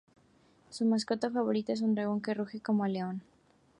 Su mascota favorita es un dragón que ruge como león.